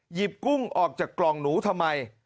กุ้งออกจากกล่องหนูทำไม